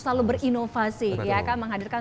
selalu berinovasi ya menghadirkan